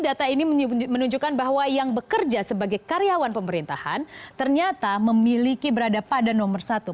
data ini menunjukkan bahwa yang bekerja sebagai karyawan pemerintahan ternyata memiliki berada pada nomor satu